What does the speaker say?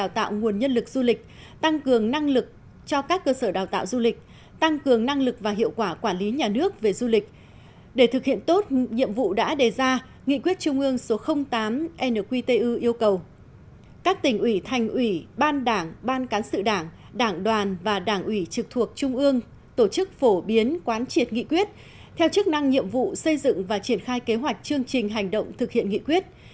tăng cường năng lực cho các cơ sở đào tạo du lịch tăng cường năng lực và hiệu quả quản lý nhà nước về du lịch để thực hiện tốt nhiệm vụ đã đề ra nghị quyết trung ương số tám nqtu yêu cầu các tỉnh ủy thành ủy ban đảng ban cán sự đảng đảng đoàn và đảng ủy trực thuộc trung ương tổ chức phổ biến quán triệt nghị quyết theo chức năng nhiệm vụ xây dựng và triển khai kế hoạch chương trình hành động thực hiện nghị quyết